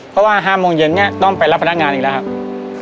เพราะว่า๕โมงเย็นเนี่ยต้องไปรับพนักงานอีกแล้วครับ